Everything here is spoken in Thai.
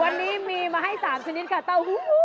วันนี้มีมาให้๓ชนิดค่ะเต้าหู้